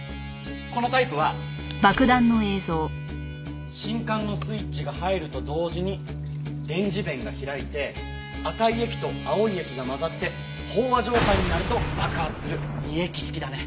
このタイプは信管のスイッチが入ると同時に電磁弁が開いて赤い液と青い液が混ざって飽和状態になると爆発する二液式だね。